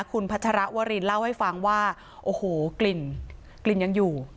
คุณพัชรวรินเล่าให้ฟังว่าโอ้โหกลิ่นกลิ่นยังอยู่